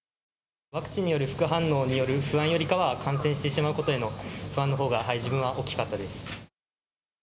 ワクチンによる副反応による不安よりかは、感染してしまうことへの不安のほうが自分は大きかったです。